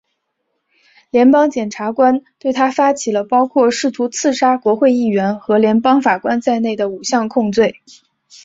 联邦检察官对他发起了包括试图刺杀国会议员和联邦法官在内的五项控罪。